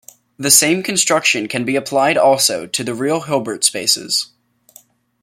The same construction can be applied also to real Hilbert spaces.